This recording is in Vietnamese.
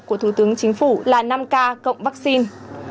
của thủ tướng chính phủ là năm ca cộng vaccine